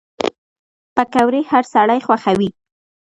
پکورې هر سړی خوښوي